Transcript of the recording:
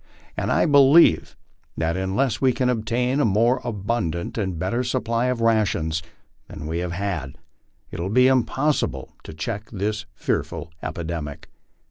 . and I be lieve that unless we can obtain a more abundant and better supply of rations than we have had, it will be impossible to check this fearful epidemic."